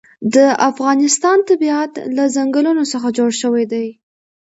د افغانستان طبیعت له ځنګلونه څخه جوړ شوی دی.